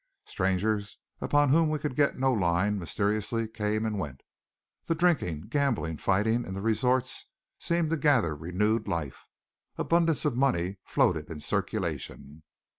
Strangers upon whom we could get no line mysteriously came and went. The drinking, gambling, fighting in the resorts seemed to gather renewed life. Abundance of money floated in circulation.